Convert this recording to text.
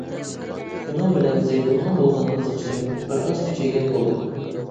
شۇنىڭ بىلەن زەيتۇنغا بولغان قىزىقىشىم بىر ئاز كۈچەيگەن بولدى.